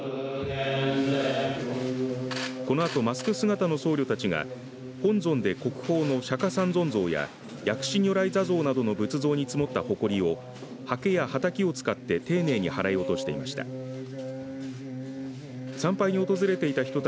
このあとマスク姿の僧侶たちが本尊で国宝の釈迦三尊像や薬師如来坐像などの仏像に積もったほこりをはけやはたきを使って丁寧に払い落としていました。